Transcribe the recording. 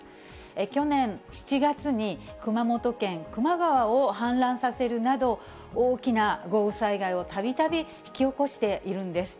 去年７月に、熊本県球磨川を氾濫させるなど、大きな豪雨災害をたびたび引き起こしているんです。